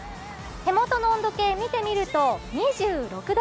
手元の温度計を見てみると２６度。